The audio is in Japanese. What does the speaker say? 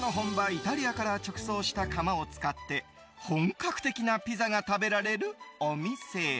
イタリアから直送した窯を使って本格的なピザが食べられるお店。